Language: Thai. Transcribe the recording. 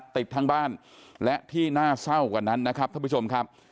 ติดทั้งบ้านและที่น่าเศร้ากว่านั้นนะครับท่านผู้ชมครับ